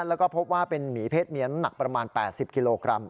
แล้วก็พบว่าเป็นหมีเพศเมียน้ำหนักประมาณ๘๐กิโลกรัม